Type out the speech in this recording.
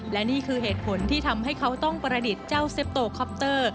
และนี่คือเหตุผลที่ทำให้เขาต้องประดิษฐ์เจ้าเซฟโตคอปเตอร์